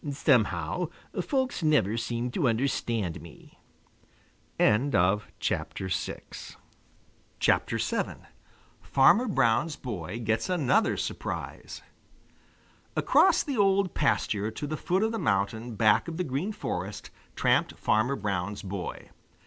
"Somehow, folks never seem to understand me." VII FARMER BROWN'S BOY GETS ANOTHER SURPRISE Across the Old Pasture to the foot of the Mountain back of the Green Forest tramped Farmer Brown's boy.